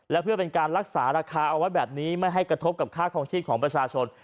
และเพื่อเป็นการรักษาราคาเอาไว้แบบนี้ไม่ให้กระทบกับค่าคลองชีพของประชาชน